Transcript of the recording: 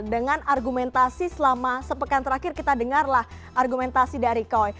dengan argumentasi selama sepekan terakhir kita dengarlah argumentasi dari koi